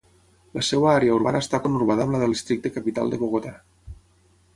La seva àrea urbana està conurbada amb la del Districte capital de Bogotà.